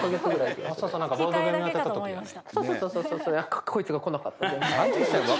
そうそうこいつが来なかった